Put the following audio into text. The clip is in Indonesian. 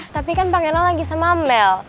tapi kan pengennya lagi sama mel